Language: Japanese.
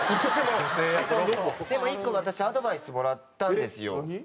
でも１個私アドバイスもらったんですよ。